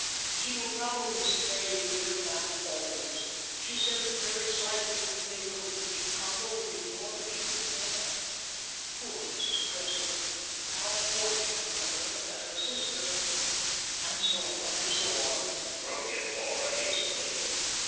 She will probably stay here now always. She says the very sight of the old neighbourhoods in Chicago would be more than she could bear. Poor Mrs. Cressler! How fortunate for her that her sister' and so on, and so on," broke in Laura, hastily.